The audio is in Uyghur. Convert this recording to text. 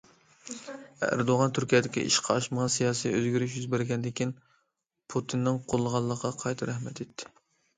ئەردوغان تۈركىيەدىكى ئىشقا ئاشمىغان سىياسىي ئۆزگىرىش يۈز بەرگەندىن كېيىن پۇتىننىڭ قوللىغانلىقىغا قايتا رەھمەت ئېيتتى.